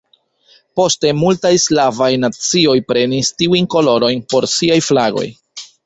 Poste multaj slavaj nacioj prenis tiujn kolorojn por siaj flagoj.